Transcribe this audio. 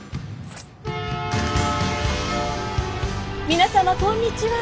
・皆様こんにちは。